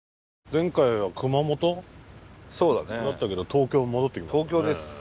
前回は熊本？だったけど東京に戻ってきましたね。